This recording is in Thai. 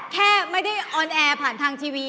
แค่ไม่ได้ออนแอร์ผ่านทางทีวี